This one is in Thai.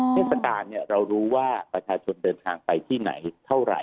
เทศกาลเรารู้ว่าประชาชนเดินทางไปที่ไหนเท่าไหร่